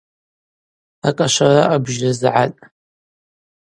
Акӏашвара абжьы згӏатӏ.